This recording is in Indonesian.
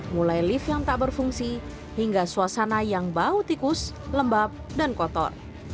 mulai lift yang tak berfungsi hingga suasana yang bau tikus lembab dan kotor